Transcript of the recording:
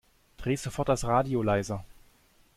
Dreh sofort das Radio leiser